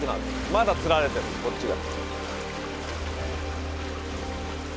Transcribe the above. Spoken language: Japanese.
まだつられてるこっちが。